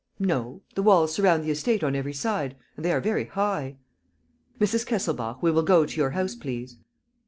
"No. The walls surround the estate on every side and they are very high. ..." "Mrs. Kesselbach, we will go to your house, please."